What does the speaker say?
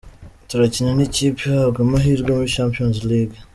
"Turakina n'ikipe ihabwa amahirwe muri Champions League.